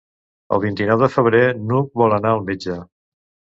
El vint-i-nou de febrer n'Hug vol anar al metge.